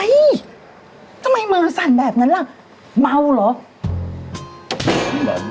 ทำไมมือสั่นแบบนั้นล่ะเมาเหรอ